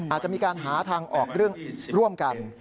อาจจะมีการหาทางออกร่วมกัน